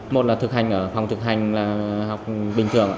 một là thực hành ở phòng thực hành là học bình thường